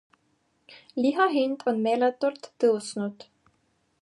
Liha hind on meeletult tõusnud.